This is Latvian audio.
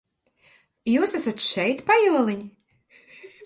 Jūs esat šeit, pajoliņi?